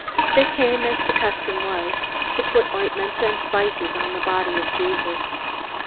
They came, as the custom was, to put ointments and spices on the body of Jesus.